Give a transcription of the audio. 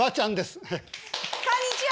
こんにちは！